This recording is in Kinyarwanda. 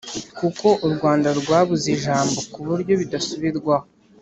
kuko u rwanda rwabuze ijambo ku buryo bidasubirwaho.